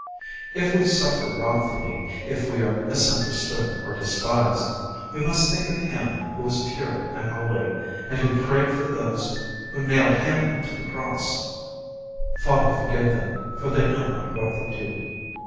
If we suffer wrongfully, if we are misunderstood or despised, we must think of Him who was pure and holy, and who prayed for those who nailed Him to the cross, "Father forgive them, for they know not what they do."